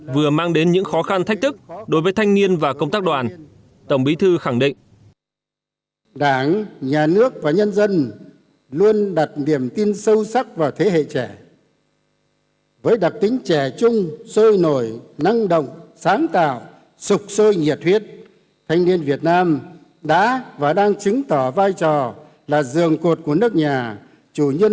vừa mang đến những khó khăn thách thức đối với thanh niên và công tác đoàn tổng bí thư khẳng định